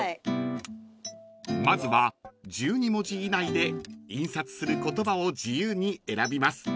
［まずは１２文字以内で印刷する言葉を自由に選びます］